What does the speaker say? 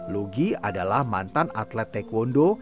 logi adalah mantan atlet taekwondo